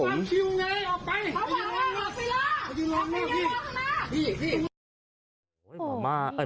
ออกไปออกไปออกไปออกไป